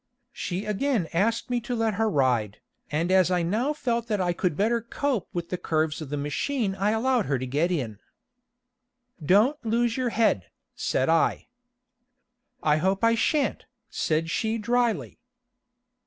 She again asked me to let her ride, and as I now felt that I could better cope with the curves of the machine I allowed her to get in. "Don't lose your head," said I. "I hope I shan't," said she dryly.